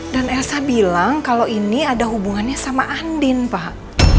dan elsa bilang kalau ini ada hubungannya sama andin pak